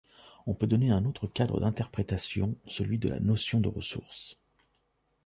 On peut donner un autre cadre d'interprétation, celui de la notion de ressources.